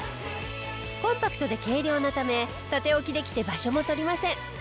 コンパクトで軽量なため縦置きできて場所も取りません。